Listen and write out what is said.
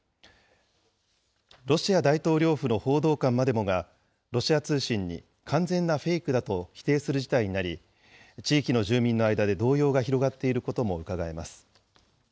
ロシア大統領府の報道官までもがロシア通信に完全なフェイクだと否定する事態になり、地域の住民の間で動揺が広がっていることもうかがえます。